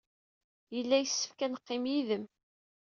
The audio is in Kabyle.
Yella yessefk ad neqqim yid-m.